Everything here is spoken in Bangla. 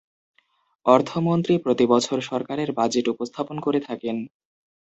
অর্থমন্ত্রী প্রতি বছর সরকারের বাজেট উপস্থাপন করে থাকেন।